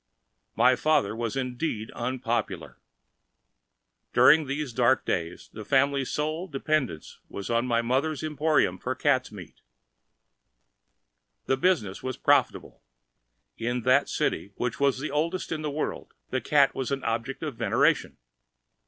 My father was indeed unpopular. During these dark days the family's sole dependence was on my mother's emporium for cats' meat. The business was profitable. In that city, which was the oldest in the world, the cat was an object of veneration.